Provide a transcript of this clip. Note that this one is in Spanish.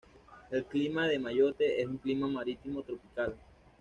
El clima de Mayotte es un clima marino tropical.